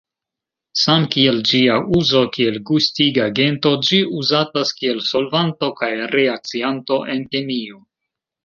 Samkiel ĝia uzo kiel gustigagento, ĝi uzatas kiel solvanto kaj reakcianto en kemio.